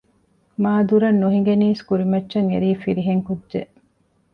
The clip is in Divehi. މާ ދުރަށް ނުހިނގެނީސް ކުރިމައްޗަށް އެރީ ފިރިހެން ކުއްޖެއް